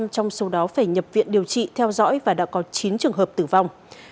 bốn mươi ba trong số đó phải nhập viện điều trị theo dõi và đã có chín trường hợp tử vong